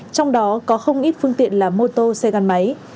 trong đó có không ít phương tiện là mô tô xe gắn máy